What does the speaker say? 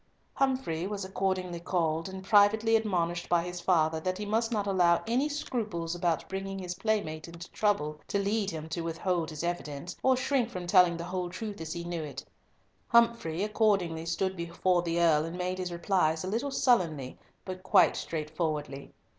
Humfrey was accordingly called, and, privately admonished by his father that he must not allow any scruples about bringing his playmate into trouble to lead him to withhold his evidence, or shrink from telling the whole truth as he knew it, Humfrey accordingly stood before the Earl and made his replies a little sullenly but quite straightforwardly.